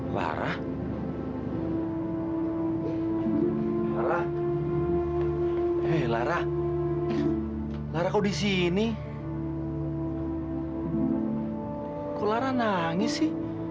sampai jumpa di video selanjutnya